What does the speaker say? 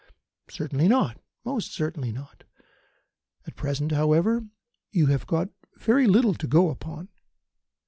"Certainly not. Most certainly not. At present, however, you have got very little to go upon.